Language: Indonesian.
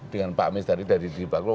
dengan pak amis dari dpr